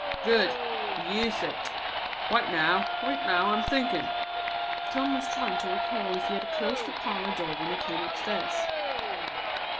("Good; use it.") "Wait now. Wait now, I am thinking." Tom was trying to recall if he had closed the parlor door when he came upstairs.